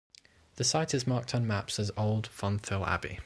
The site is marked on maps as Old Fonthill Abbey.